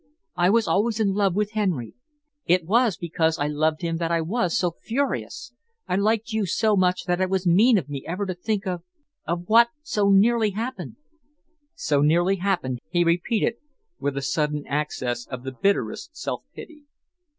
I was always in love with Henry. It was because I loved him that I was so furious. I liked you so much that it was mean of me ever to think of of what so nearly happened." "So nearly happened!" he repeated, with a sudden access of the bitterest self pity.